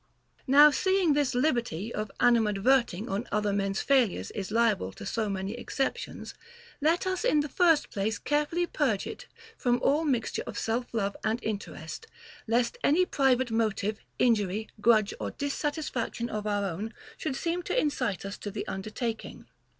26. Now seeing this liberty of animadverting on other men's failures is liable to so many exceptions, let us in the first place carefully purge it from all mixture of self love and interest, lest any private motive, injury, grudge, or dis satisfaction of our own should seem to incite us to the undertaking.